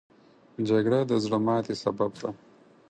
جګړه د زړه ماتې سبب ده